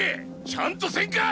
ちゃんとせんか！